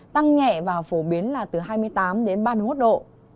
tăng nhẹ và phổ biến là từ hai mươi tám đến ba mươi một độ